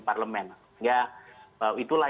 parlemen ya itulah